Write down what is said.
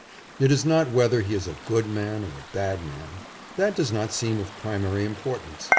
It is not whether he is a good man or a bad man. That does not seem of primary importance.